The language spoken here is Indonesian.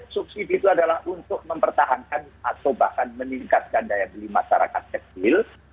subsidi itu adalah untuk mempertahankan atau bahkan meningkatkan daya beli masyarakat kecil